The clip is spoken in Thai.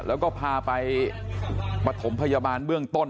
แล้วก็พาไปปฐมพยาบาลเบื้องต้น